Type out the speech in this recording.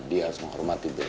dia harus menghormati be